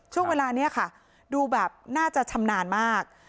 ช่วงเวลานี้ค่ะดูแบบน่าจะชำนาญมาก